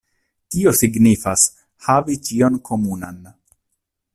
Tio signifas: havi ĉion komunan.